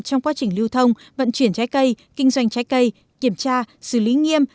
trong quá trình lưu thông vận chuyển trái cây kinh doanh trái cây kiểm tra xử lý nghiêm